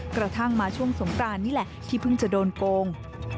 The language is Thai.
กระทั่งมาช่วงสงกรานนี่แหละที่เพิ่งจะโดนโกง